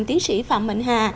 tiến sĩ phạm mạnh hà